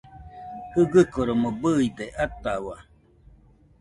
Jɨgɨkoromo bɨide atahau